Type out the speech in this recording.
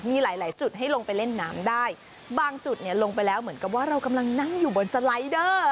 มีหลายหลายจุดให้ลงไปเล่นน้ำได้บางจุดเนี่ยลงไปแล้วเหมือนกับว่าเรากำลังนั่งอยู่บนสไลดเดอร์